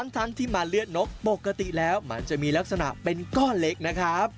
ทั้งที่มาเลือดนกปกติแล้วมันจะมีลักษณะเป็นก้อนเล็กนะครับ